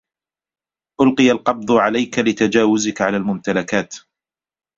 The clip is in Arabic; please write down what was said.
ألقي القبض عليك لتجاوزك على الممتلكات.